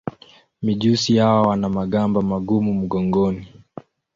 Mijusi hawa wana magamba magumu mgongoni.